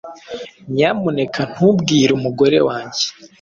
Nyamuneka ntubwire umugore wanjye